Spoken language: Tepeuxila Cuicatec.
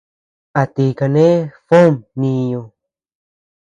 ¿A ti kane Fom mniñu?